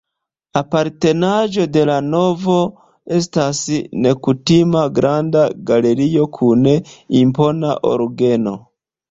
Apartenaĵo de la navo estas nekutima granda galerio kun impona orgeno.